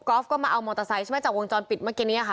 ก็มาเอามอเตอร์ไซค์ใช่ไหมจากวงจรปิดเมื่อกี้นี้ค่ะ